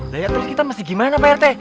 lihat terus kita masih gimana pak rete